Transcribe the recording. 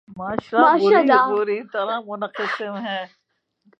معاشرہ بری طرح منقسم ہے۔